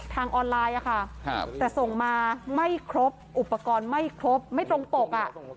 ทางออนไลน์แต่ส่งมาไม่ครบอุปกรณ์ไม่ครบไม่ตรงปก